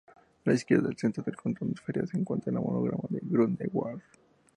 A la izquierda del centro del contorno inferior se encuentra el monograma de Grünewald.